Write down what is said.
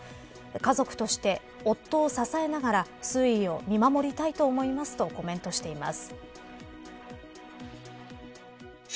家族として夫を支えながら推移を見守りたいと思いますとコメントしています。